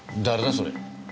それ。